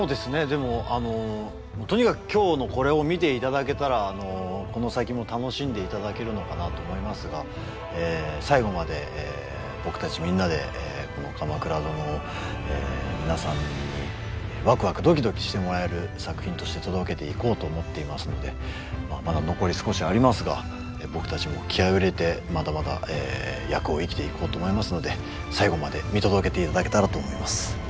でもあのとにかく今日のこれを見ていただけたらこの先も楽しんでいただけるのかなと思いますが最後まで僕たちみんなでこの「鎌倉殿」を皆さんにワクワクドキドキしてもらえる作品として届けていこうと思っていますのでまだ残り少しありますが僕たちも気合いを入れてまだまだ役を生きていこうと思いますので最後まで見届けていただけたらと思います。